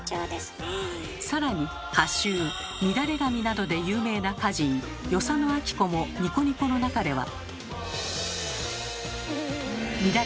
更に歌集「みだれ髪」などで有名な歌人与謝野晶子も「ニコニコ」の中では。